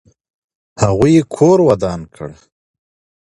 هغوی یې کور ودان کړ.